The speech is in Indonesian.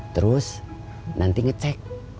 terus nanti ngecek